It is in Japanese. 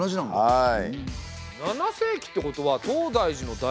はい！